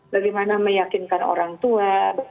bagaimana meyakinkan orang tua